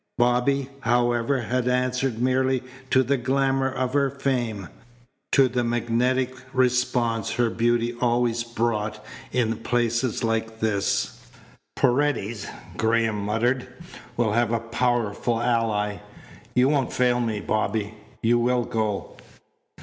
Bobby, however, had answered merely to the glamour of her fame, to the magnetic response her beauty always brought in places like this. "Paredes," Graham muttered, "will have a powerful ally. You won't fail me, Bobby? You will go?"